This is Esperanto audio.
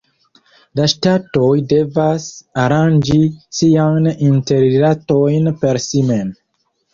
La ŝtatoj devas aranĝi siajn interrilatojn per si mem.